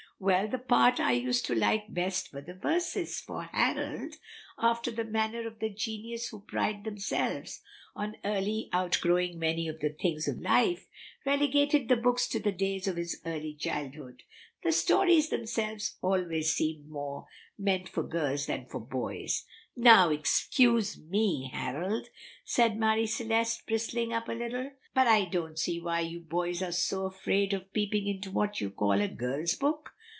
"Well, the parts I used to like best were the verses;" for Harold, after the manner of the genus who pride themselves on early outgrowing many of the best things of life, relegated the books to the days of his early childhood; "the stories themselves always seemed more meant for girls than for boys." "Now, excuse me, Harold," said Marie Celeste, bristling up a little, "but I don't see why you boys are so afraid of peeping into what you call a girl's book.